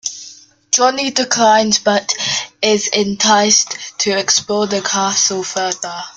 Johnny declines, but is enticed to explore the castle further.